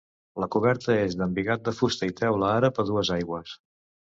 La coberta és d'embigat de fusta i teula àrab a dues aigües.